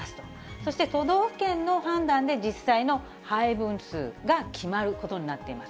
そして都道府県の判断で、実際の配分数が決まることになっています。